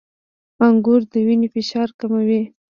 • انګور د وینې فشار کموي.